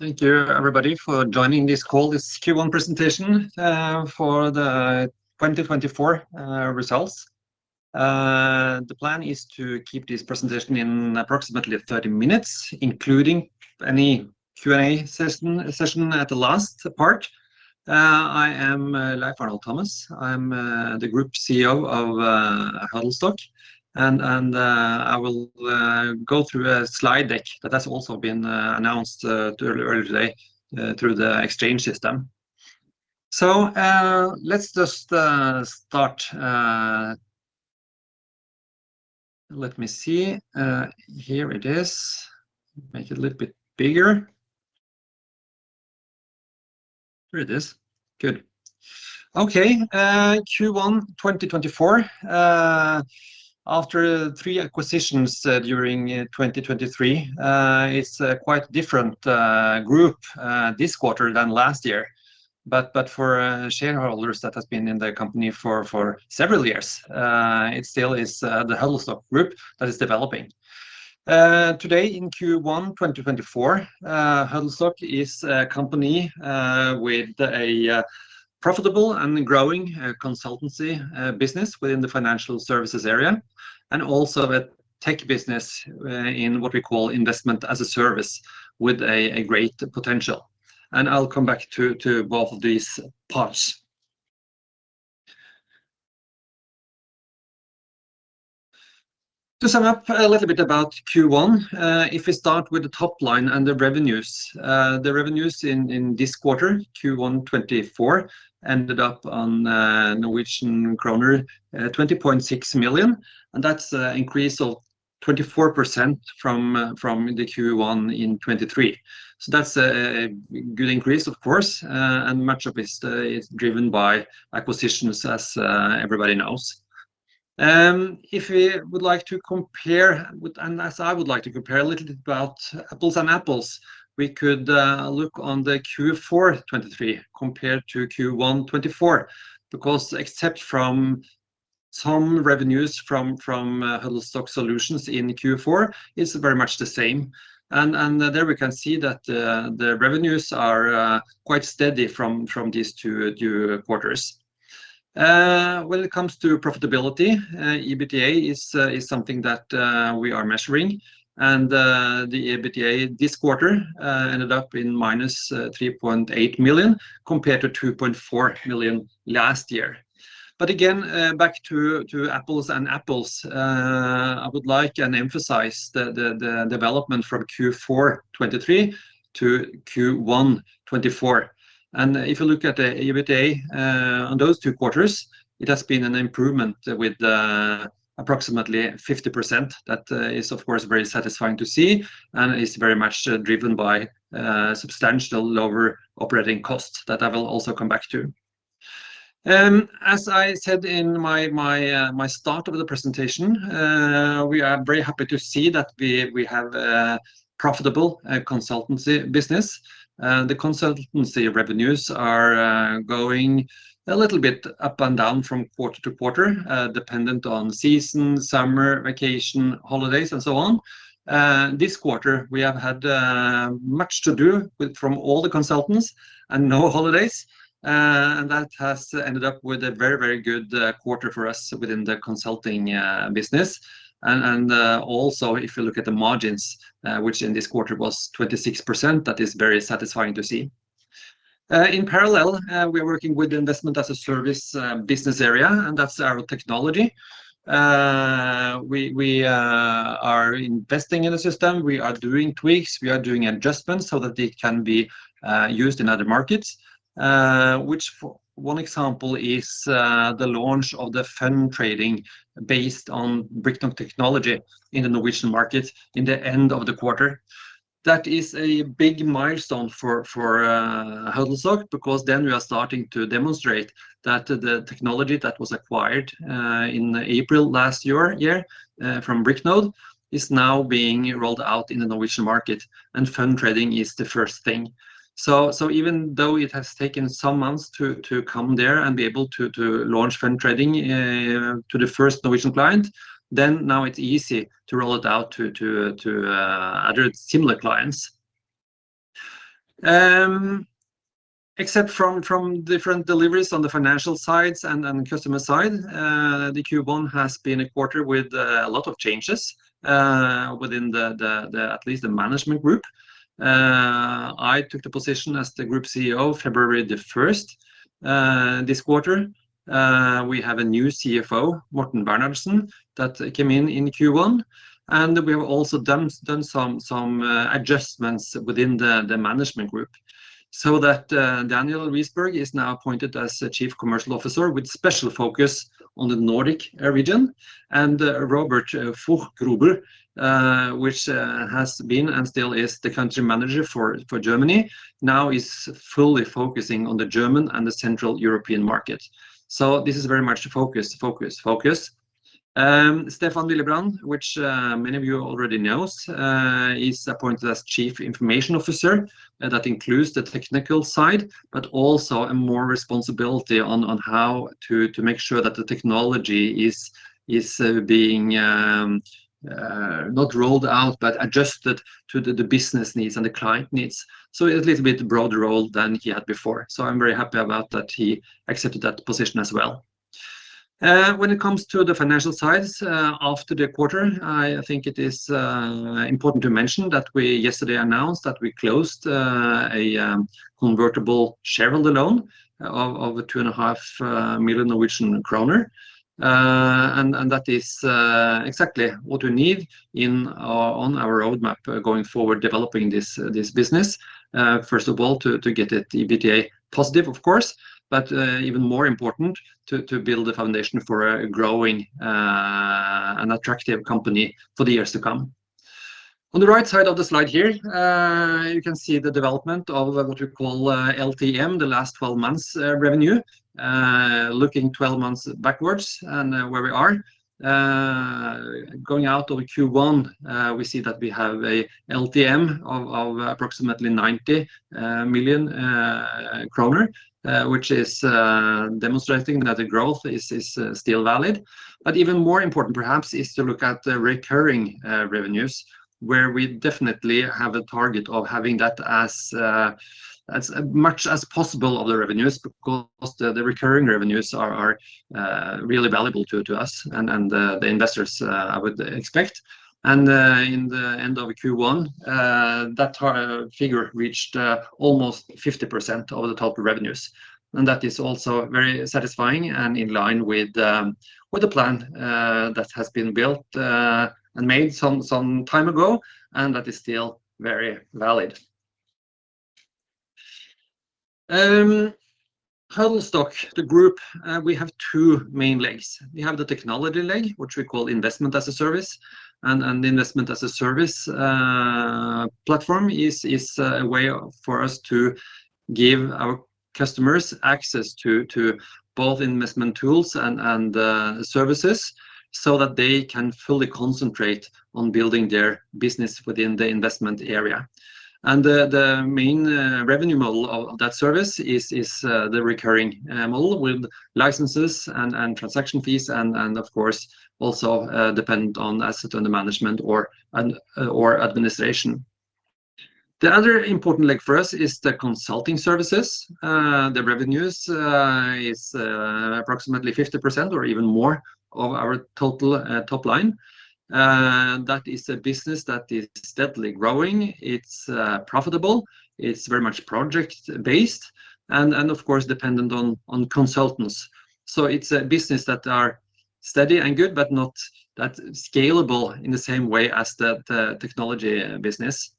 Thank you, everybody, for joining this call, this Q1 presentation for the 2024 results. The plan is to keep this presentation in approximately 30 minutes, including any Q&A session at the last part. I am Leif Arnold Thomas. I'm the Group CEO of Huddlestock, and I will go through a slide deck that has also been announced earlier today through the exchange system. So, let's just start. Let me see. Here it is. Make it a little bit bigger. Here it is. Good. Okay, Q1 2024, after 3 acquisitions during 2023, it's a quite different group this quarter than last year, but for shareholders that has been in the company for several years, it still is the Huddlestock group that is developing. Today in Q1 2024, Huddlestock is a company with a profitable and growing consultancy business within the financial services area, and also a tech business in what we call Investment-as-a-Service, with a great potential. I'll come back to both of these parts. To sum up a little bit about Q1, if we start with the top line and the revenues, the revenues in this quarter, Q1 2024, ended up on Norwegian kroner 20.6 million, and that's an increase of 24% from the Q1 in 2023. So that's a good increase, of course, and much of it is driven by acquisitions, as everybody knows. If we would like to compare, as I would like to compare a little bit about apples and apples, we could look on the Q4 2023 compared to Q1 2024, because except from some revenues from Huddlestock Solutions in Q4, it's very much the same. And there we can see that the revenues are quite steady from these two quarters. When it comes to profitability, EBITDA is something that we are measuring, and the EBITDA this quarter ended up in -3.8 million, compared to 2.4 million last year. But again, back to apples and apples, I would like and emphasize the development from Q4 2023 to Q1 2024. And if you look at the EBITDA on those two quarters, it has been an improvement with approximately 50%. That is, of course, very satisfying to see and is very much driven by substantial lower operating costs that I will also come back to. As I said in my start of the presentation, we are very happy to see that we have a profitable consultancy business. The consultancy revenues are going a little bit up and down from quarter to quarter, dependent on season, summer, vacation, holidays, and so on. This quarter, we have had much to do with from all the consultants and no holidays, and that has ended up with a very, very good quarter for us within the consulting business. Also, if you look at the margins, which in this quarter was 26%, that is very satisfying to see. In parallel, we're working with the Investment-as-a-Service business area, and that's our technology. We are investing in the system. We are doing tweaks, we are doing adjustments so that it can be used in other markets. Which, for one example, is the launch of the fund trading based on Bricknode technology in the Norwegian market in the end of the quarter. That is a big milestone for Huddlestock, because then we are starting to demonstrate that the technology that was acquired in April last year from Bricknode is now being rolled out in the Norwegian market, and fund trading is the first thing. So even though it has taken some months to come there and be able to launch fund trading to the first Norwegian client, then now it's easy to roll it out to other similar clients. Except from different deliveries on the financial sides and customer side, the Q1 has been a quarter with a lot of changes within at least the management group. I took the position as the Group CEO, February the first, this quarter. We have a new CFO, Morten Bernhardsen, that came in in Q1, and we have also done some adjustments within the management group. So that Daniel Risberg is now appointed as the Chief Commercial Officer with special focus on the Nordic region. And Robert Fuchsgruber, which has been and still is the country manager for Germany, now is fully focusing on the German and the Central European market. So this is very much focus, focus, focus. Stefan Willebrand, which many of you already knows, is appointed as Chief Information Officer, and that includes the technical side, but also a more responsibility on how to make sure that the technology is being adjusted to the business needs and the client needs. So a little bit broader role than he had before, so I'm very happy about that he accepted that position as well. When it comes to the financial sides, after the quarter, I think it is important to mention that we yesterday announced that we closed a convertible loan of 2.5 million Norwegian kroner. And that is exactly what we need on our roadmap going forward, developing this business, first of all, to get it EBITDA positive, of course, but even more important, to build a foundation for a growing, an attractive company for the years to come. On the right side of the slide here, you can see the development of what we call LTM, the last twelve months, revenue, looking twelve months backwards and where we are. Going out of Q1, we see that we have a LTM of approximately 90 million kroner, which is demonstrating that the growth is still valid. But even more important perhaps is to look at the recurring revenues, where we definitely have a target of having that as much as possible of the revenues, because the recurring revenues are really valuable to us and the investors, I would expect. In the end of Q1, that target figure reached almost 50% of the total revenues, and that is also very satisfying and in line with the plan that has been built and made some time ago, and that is still very valid. Huddlestock, the group, we have two main legs. We have the technology leg, which we call Investment-as-a-Service. An Investment-as-a-Service platform is a way for us to give our customers access to both investment tools and services, so that they can fully concentrate on building their business within the investment area. And the main revenue model of that service is the recurring model with licenses and transaction fees and of course also dependent on assets under management or administration. The other important leg for us is the consulting services. The revenues is approximately 50% or even more of our total top line. That is a business that is steadily growing. It's profitable, it's very much project-based and of course dependent on consultants. So it's a business that are steady and good, but not that scalable in the same way as the technology business.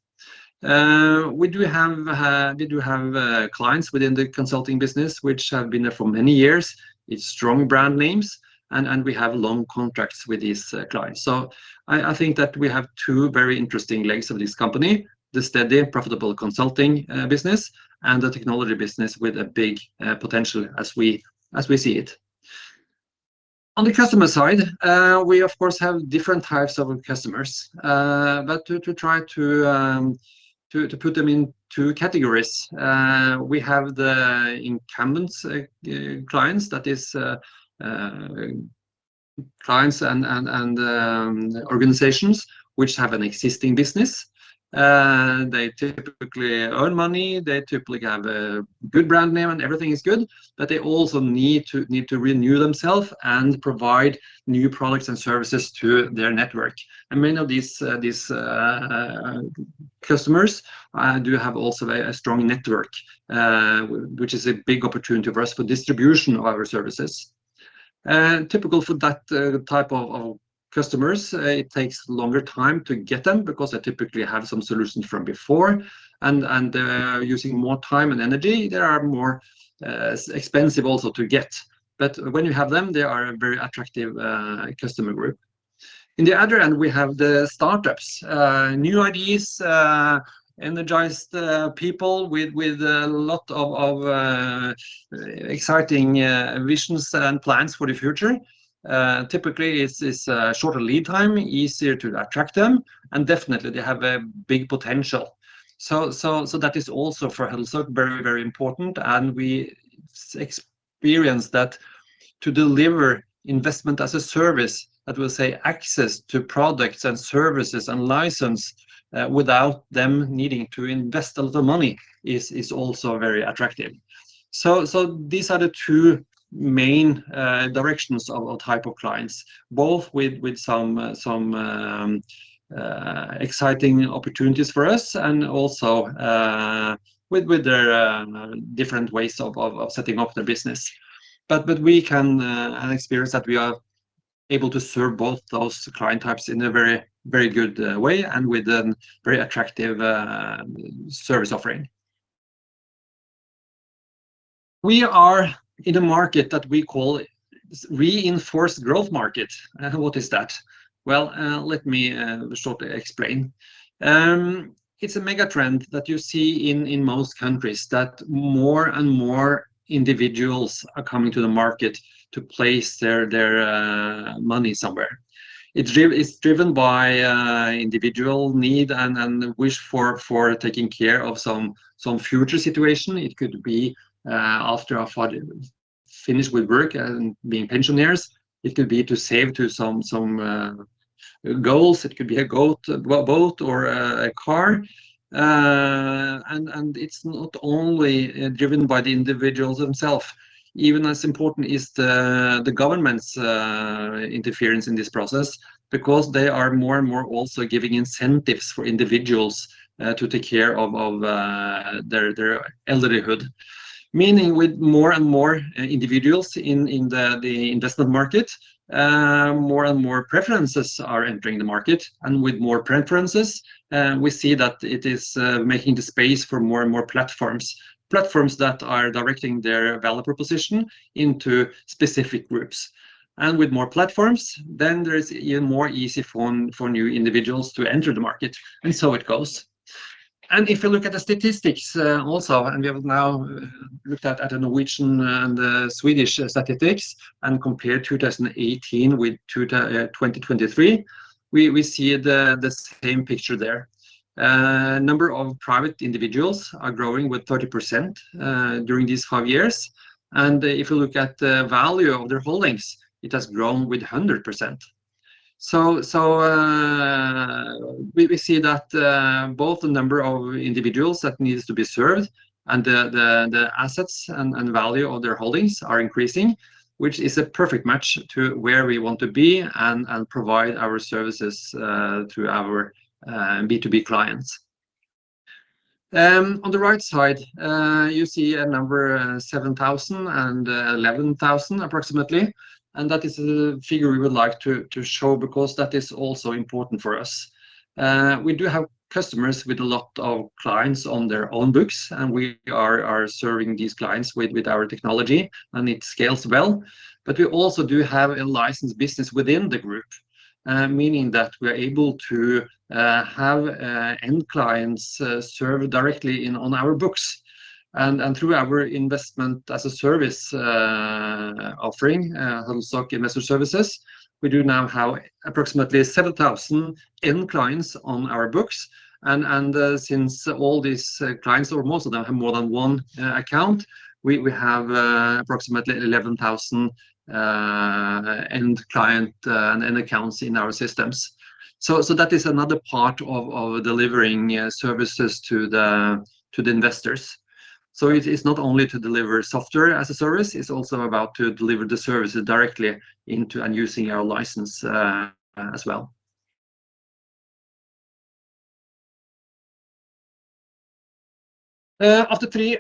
We do have clients within the consulting business, which have been there for many years, with strong brand names, and we have long contracts with these clients. So I think that we have two very interesting legs of this company: the steady, profitable consulting business, and the technology business with a big potential as we see it. On the customer side, we of course have different types of customers, but to try to put them in two categories, we have the incumbent clients, that is, clients and organizations which have an existing business. They typically earn money. They typically have a good brand name, and everything is good, but they also need to renew themselves and provide new products and services to their network. And many of these customers do have also a strong network, which is a big opportunity for us for distribution of our services. Typical for that type of customers, it takes longer time to get them, because they typically have some solutions from before and using more time and energy, they are more expensive also to get. But when you have them, they are a very attractive customer group. In the other end, we have the startups, new ideas, energized people with a lot of exciting visions and plans for the future. Typically, it's shorter lead time, easier to attract them, and definitely they have a big potential. So that is also for Huddlestock, very, very important, and we experience that to deliver Investment-as-a-Service, that will say access to products and services and license, without them needing to invest a lot of money, is also very attractive. So these are the two main directions of type of clients, both with some exciting opportunities for us and also with their different ways of setting up their business. But we can have experience that we are able to serve both those client types in a very, very good way and with a very attractive service offering. We are in a market that we call reinforced growth market. And what is that? Well, let me shortly explain. It's a mega trend that you see in most countries, that more and more individuals are coming to the market to place their money somewhere. It's driven by individual need and wish for taking care of some future situation. It could be after finished with work and being pensioners, it could be to save to some goals. It could be a home, a boat, or a car. And it's not only driven by the individuals themselves. Even as important is the government's interference in this process, because they are more and more also giving incentives for individuals to take care of their elderhood. Meaning with more and more individuals in the investment market, more and more preferences are entering the market, and with more preferences, we see that it is making the space for more and more platforms, platforms that are directing their value proposition into specific groups. And with more platforms, then there is even more easy for new individuals to enter the market, and so it goes. And if you look at the statistics, also, and we have now looked at a Norwegian and Swedish statistics and compared 2018 with 2023, we see the same picture there. Number of private individuals are growing with 30%, during these five years, and if you look at the value of their holdings, it has grown with 100%. We see that both the number of individuals that needs to be served and the assets and value of their holdings are increasing, which is a perfect match to where we want to be and provide our services to our B2B clients. On the right side, you see a number, 7,000 and 11,000 approximately, and that is a figure we would like to show because that is also important for us. We do have customers with a lot of clients on their own books, and we are serving these clients with our technology, and it scales well. But we also do have a licensed business within the group, meaning that we're able to have end clients served directly on our books. Through our Investment-as-a-Service offering, Huddlestock Investor Services, we do now have approximately 7,000 end clients on our books, and since all these clients, or most of them, have more than one account, we have approximately 11,000 end client accounts in our systems. So that is another part of delivering services to the investors. So it is not only to deliver software as a service, it's also about to deliver the services directly into and using our license as well. After three...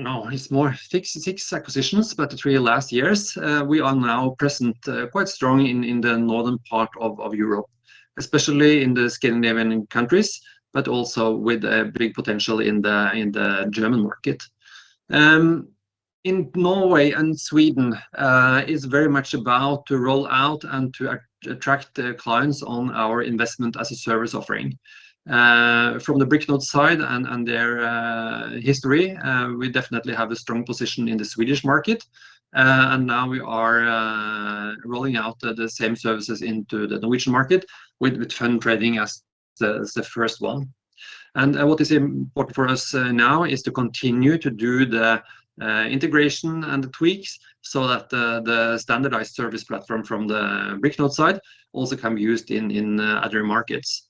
No, it's more six acquisitions, but the three last years, we are now present quite strong in the northern part of Europe, especially in the Scandinavian countries, but also with a big potential in the German market. In Norway and Sweden, it's very much about to roll out and to attract the clients on our Investment-as-a-Service offering. From the Bricknode side and their history, we definitely have a strong position in the Swedish market, and now we are rolling out the same services into the Norwegian market with fund trading as the first one. What is important for us now is to continue to do the integration and the tweaks so that the standardized service platform from the Bricknode side also can be used in other markets.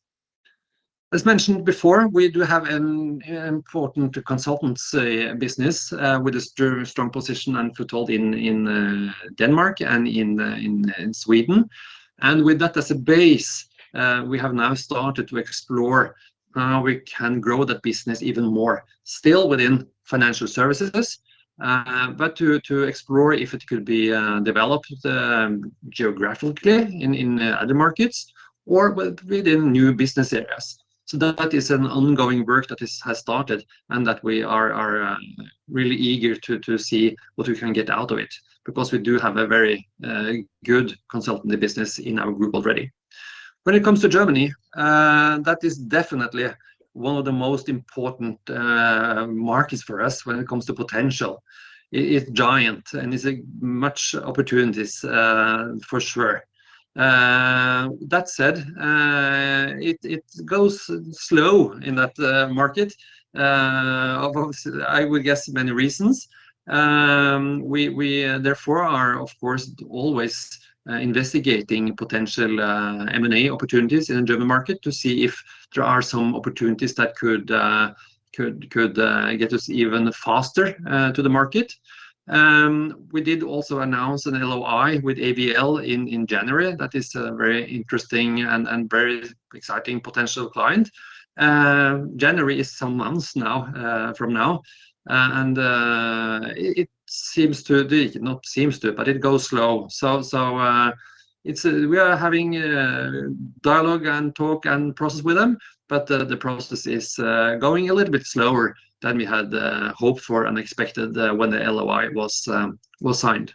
As mentioned before, we do have an important consultancy business with a strong position and foothold in Denmark and in Sweden. And with that as a base, we have now started to explore how we can grow that business even more, still within financial services, but to explore if it could be developed geographically in other markets or within new business areas. So that is an ongoing work that has started and that we are really eager to see what we can get out of it, because we do have a very good consultancy business in our group already. When it comes to Germany, that is definitely one of the most important markets for us when it comes to potential. It is giant, and it is a much opportunities for sure. That said, it goes slow in that market, of course, I would guess many reasons. We therefore are, of course, always investigating potential M&A opportunities in the German market to see if there are some opportunities that could get us even faster to the market. We did also announce an LOI with AVL in January. That is a very interesting and very exciting potential client. January is some months now from now, and it goes slow. So, we are having dialogue and talk and process with them, but the process is going a little bit slower than we had hoped for and expected when the LOI was signed.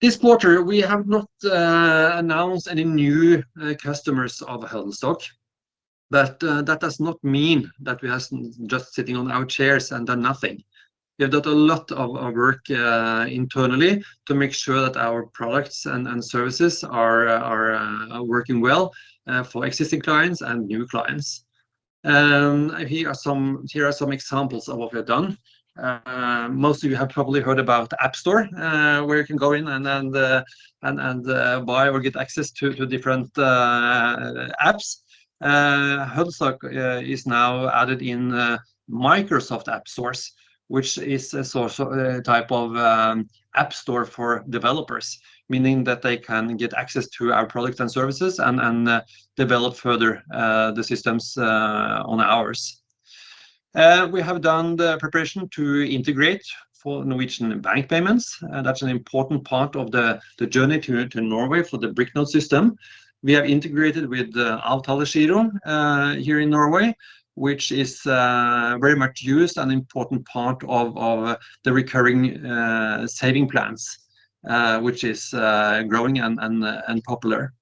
This quarter, we have not announced any new customers of Huddlestock, but that does not mean that we are just sitting on our chairs and done nothing. We have done a lot of work internally to make sure that our products and services are working well for existing clients and new clients. And here are some examples of what we have done. Most of you have probably heard about the App Store, where you can go in and then and buy or get access to different apps. Huddlestock is now added in Microsoft AppSource, which is a type of app store for developers, meaning that they can get access to our products and services and develop further the systems on ours. We have done the preparation to integrate for Norwegian bank payments, and that's an important part of the journey to Norway for the Bricknode system. We have integrated with the AvtaleGiro here in Norway, which is very much used and important part of the recurring saving plans, which is growing and popular.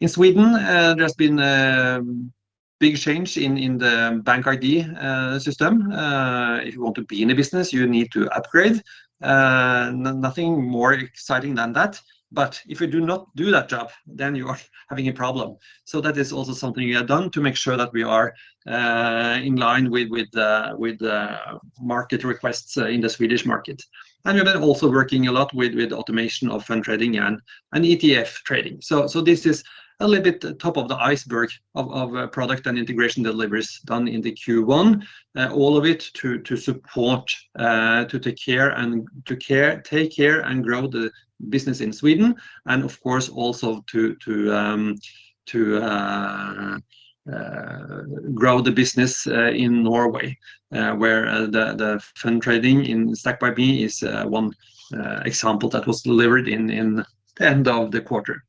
In Sweden, there's been a big change in the BankID system. If you want to be in the business, you need to upgrade. Nothing more exciting than that. But if you do not do that job, then you are having a problem. So that is also something we have done to make sure that we are in line with market requests in the Swedish market. And we're also working a lot with automation of fund trading and ETF trading. So this is a little bit top of the iceberg of product and integration deliveries done in the Q1. All of it to support, to take care and grow the business in Sweden, and of course, also to grow the business in Norway, where the fund trading in Stack by.me is one example that was delivered in the end of the quarter.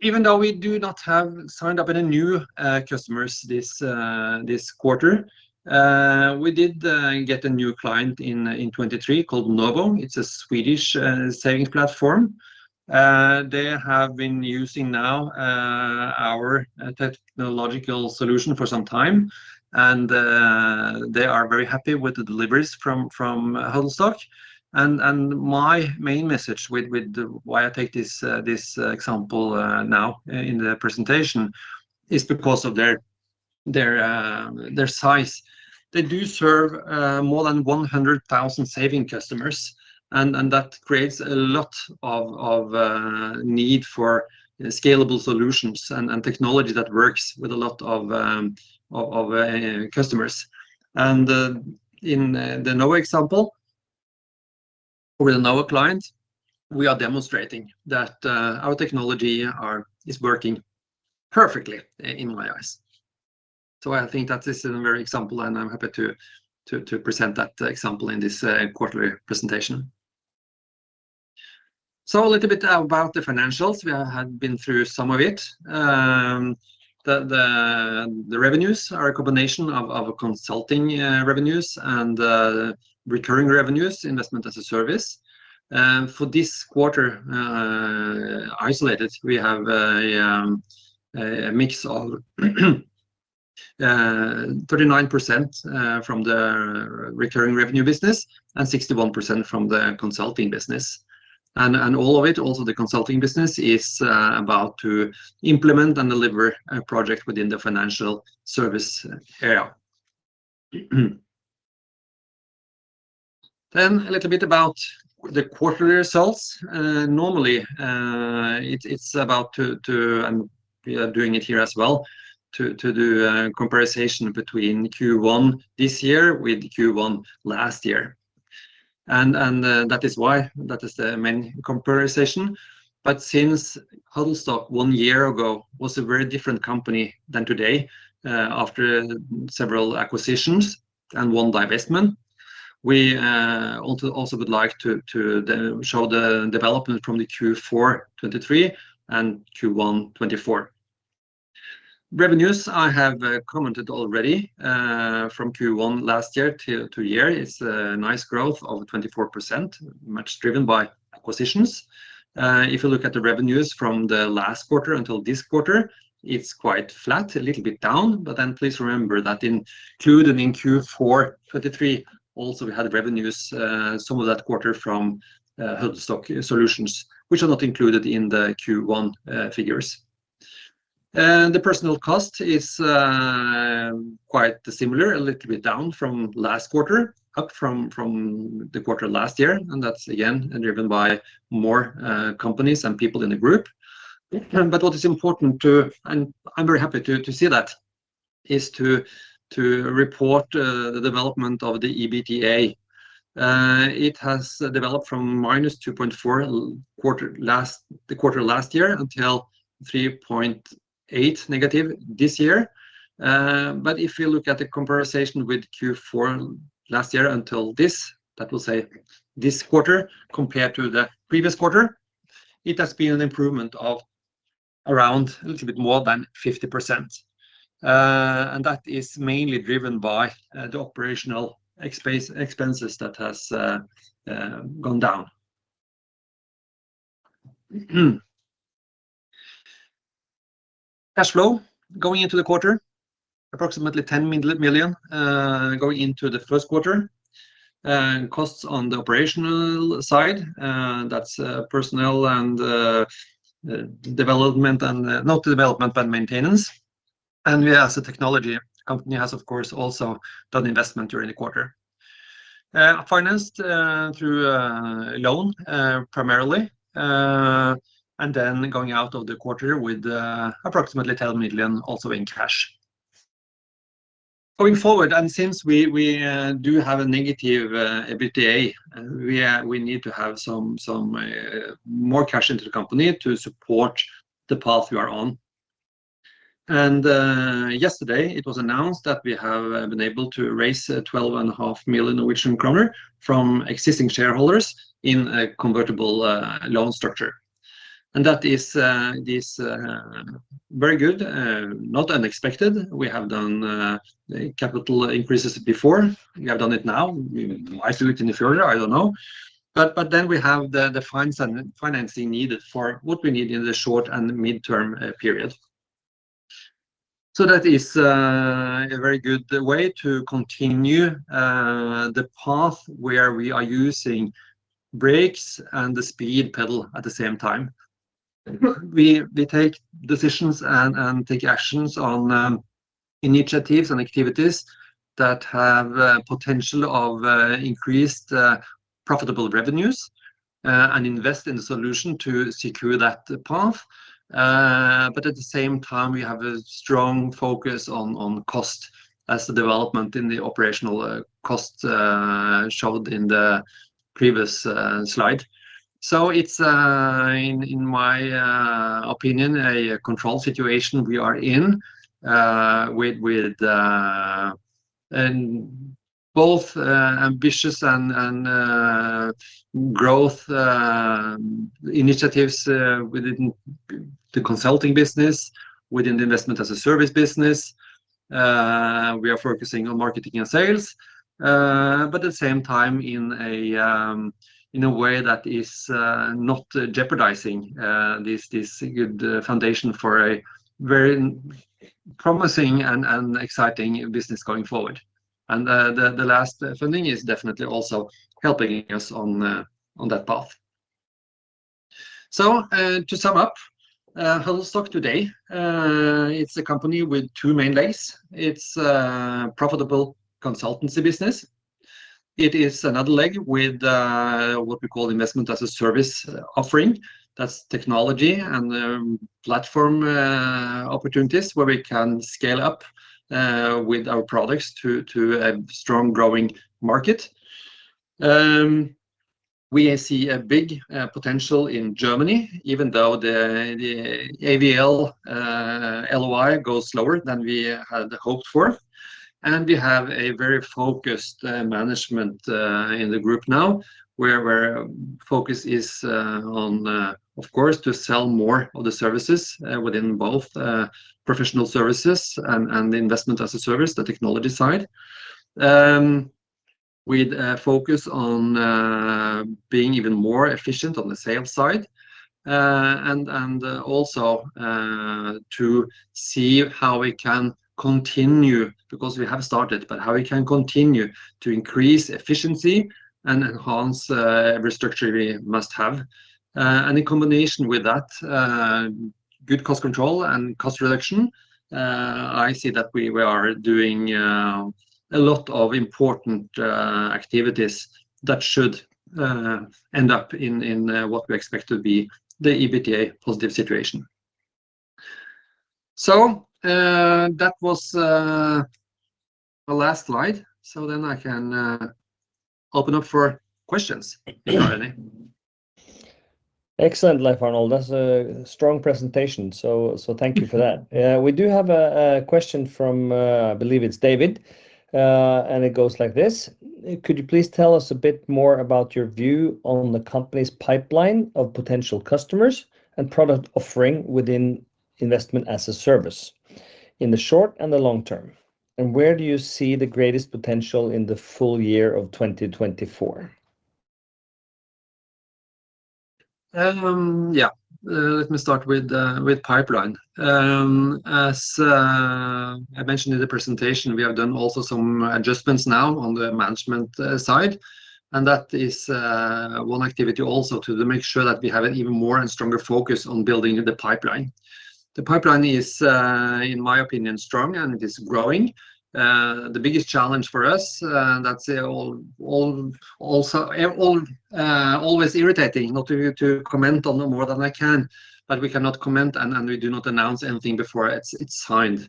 Even though we do not have signed up any new customers this quarter, we did get a new client in 2023 called Nowo. It's a Swedish savings platform. They have been using now our technological solution for some time, and they are very happy with the deliveries from Huddlestock. My main message with why I take this example now in the presentation is because of their size. They do serve more than 100,000 saving customers, and that creates a lot of need for scalable solutions and technology that works with a lot of customers. In the Nowo example, with our Nowo client, we are demonstrating that our technology are... is working perfectly in my eyes. So I think that this is a very example, and I'm happy to present that example in this quarterly presentation. So a little bit about the financials. We have been through some of it. The revenues are a combination of consulting revenues and recurring revenues, Investment-as-a-Service. For this quarter, isolated, we have a mix of 39% from the recurring revenue business and 61% from the consulting business. And all of it, also the consulting business, is about to implement and deliver a project within the financial service area. Then a little bit about the quarterly results. Normally, it's about to, and we are doing it here as well, to do a comparison between Q1 this year with Q1 last year. And, that is why that is the main comparison. But since Huddlestock one year ago was a very different company than today, after several acquisitions and one divestment, we also would like to then show the development from the Q4 2023 and Q1 2024. Revenues, I have commented already, from Q1 last year to year, it's a nice growth of 24%, much driven by acquisitions. If you look at the revenues from the last quarter until this quarter, it's quite flat, a little bit down, but then please remember that included in Q4 2023, also we had revenues, some of that quarter from Huddlestock Solutions, which are not included in the Q1 figures. The personnel costs are quite similar, a little bit down from last quarter, up from the quarter last year, and that's again, driven by more companies and people in the group. But what is important to, and I'm very happy to, to see that, is to, to report the development of the EBITDA. It has developed from -2.4 quarter last the quarter last year, until -3.8 this year. But if you look at the comparison with Q4 last year until this, that will say this quarter compared to the previous quarter, it has been an improvement of around a little bit more than 50%. And that is mainly driven by the operational expenses that has gone down. Cash flow going into the quarter approximately 10 million going into the first quarter. And costs on the operational side, that's personnel and development and not development, but maintenance. And we, as a technology company, has, of course, also done investment during the quarter. Financed through a loan primarily, and then going out of the quarter with approximately 10 million also in cash. Going forward, and since we do have a negative EBITDA, we need to have some more cash into the company to support the path we are on. Yesterday, it was announced that we have been able to raise 12.5 million Norwegian kroner from existing shareholders in a convertible loan structure. That is very good, not unexpected. We have done capital increases before, we have done it now. We might do it in the future, I don't know. But then we have the finance and financing needed for what we need in the short and the mid-term period. So that is a very good way to continue the path where we are using brakes and the speed pedal at the same time. We take decisions and take actions on initiatives and activities that have potential of increased profitable revenues and invest in the solution to secure that path. But at the same time, we have a strong focus on cost as the development in the operational costs showed in the previous slide. So it's in my opinion a controlled situation we are in with both ambitious and growth initiatives within the consulting business, within the Investment-as-Service business. We are focusing on marketing and sales but at the same time, in a way that is not jeopardizing this good foundation for a very promising and exciting business going forward. The last funding is definitely also helping us on that path. To sum up, Huddlestock today, it's a company with two main legs. It's profitable consultancy business. It is another leg with what we call Investment-as-a-Service offering. That's technology and platform opportunities, where we can scale up with our products to a strong growing market. We see a big potential in Germany, even though the AVL LOI goes slower than we had hoped for. We have a very focused management in the group now, where our focus is, of course, to sell more of the services within both professional services and Investment-as-a-Service, the technology side. With a focus on being even more efficient on the sales side, and also to see how we can continue, because we have started, but how we can continue to increase efficiency and enhance every structure we must have. And in combination with that, good cost control and cost reduction, I see that we are doing a lot of important activities that should end up in what we expect to be the EBITDA positive situation. So, that was the last slide. So then I can open up for questions, if you have any. Excellent, Leif Arnold, that's a strong presentation, so, so thank you for that. We do have a, a question from, I believe it's David, and it goes like this: "Could you please tell us a bit more about your view on the company's pipeline of potential customers and product offering within Investment-as-a-Service, in the short and the long term? And where do you see the greatest potential in the full year of 2024? Yeah. Let me start with pipeline. As I mentioned in the presentation, we have done also some adjustments now on the management side, and that is one activity also to make sure that we have an even more and stronger focus on building the pipeline. The pipeline is, in my opinion, strong and it is growing. The biggest challenge for us, that's also always irritating not to comment on more than I can, but we cannot comment, and we do not announce anything before it's signed.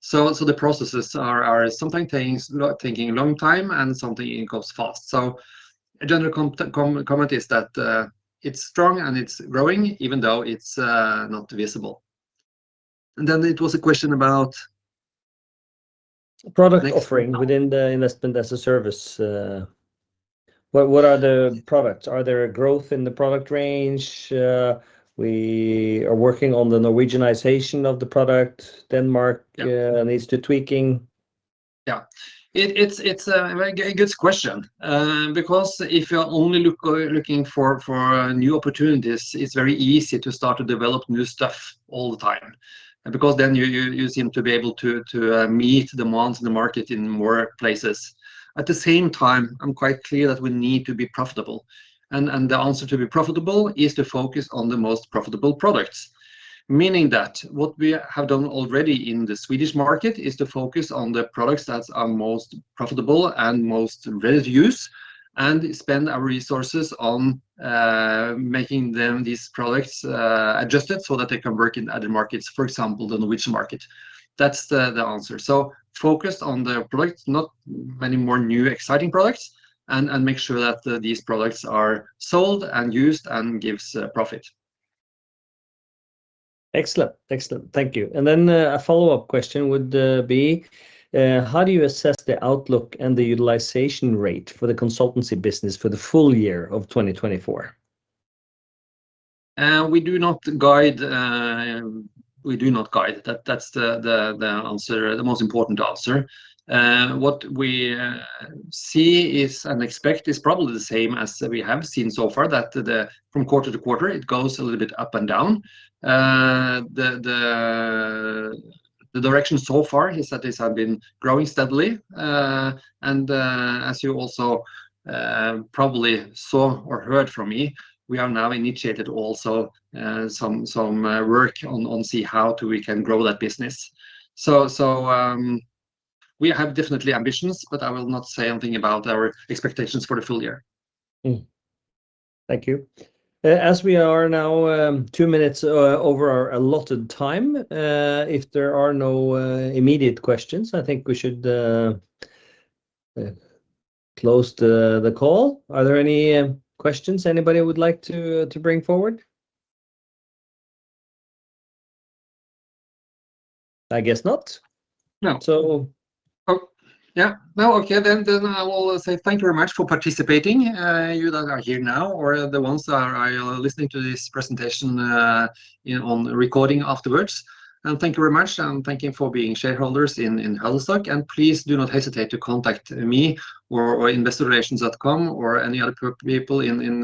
So the processes are sometimes things taking a long time and something it goes fast. So a general comment is that it's strong and it's growing, even though it's not visible. And then it was a question about... Product offering- Next... within the Investment-as-a-Service. What, what are the products? Are there a growth in the product range? We are working on the Norwegianization of the product. Denmark- Yeah... needs tweaking. Yeah, it's a very good question. Because if you're only looking for new opportunities, it's very easy to start to develop new stuff all the time. Because then you seem to be able to meet demands in the market in more places. At the same time, I'm quite clear that we need to be profitable, and the answer to be profitable is to focus on the most profitable products. Meaning that what we have done already in the Swedish market is to focus on the products that are most profitable and most well-used, and spend our resources on making them, these products, adjusted so that they can work in other markets, for example, the Norwegian market. That's the answer. So focus on the products, not many more new, exciting products, and, and make sure that these products are sold and used and gives profit. Excellent. Excellent, thank you. And then, a follow-up question would be how do you assess the outlook and the utilization rate for the consultancy business for the full year of 2024? We do not guide. We do not guide. That's the answer, the most important answer. What we see and expect is probably the same as we have seen so far, that from quarter to quarter, it goes a little bit up and down. The direction so far is that it's had been growing steadily. And as you also probably saw or heard from me, we have now initiated also some work on how we can grow that business. So we have definitely ambitions, but I will not say anything about our expectations for the full year. Thank you. As we are now 2 minutes over our allotted time, if there are no immediate questions, I think we should close the call. Are there any questions anybody would like to bring forward? I guess not. No. So- Oh, yeah. No, okay, then, then I will say thank you very much for participating, you that are here now or the ones that are, are listening to this presentation, you know, on the recording afterwards. And thank you very much, and thank you for being shareholders in Huddlestock, and please do not hesitate to contact me or investorrelations@huddlestock.com or any other people in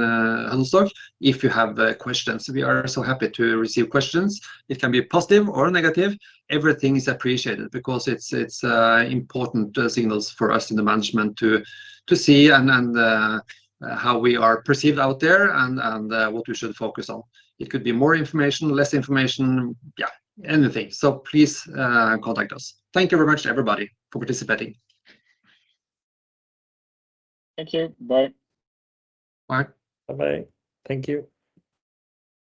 Huddlestock if you have questions. We are so happy to receive questions. It can be positive or negative. Everything is appreciated because it's important signals for us in the management to see and how we are perceived out there and what we should focus on. It could be more information, less information, yeah, anything. So please contact us. Thank you very much, everybody, for participating. Thank you. Bye. Bye. Bye-bye. Thank you.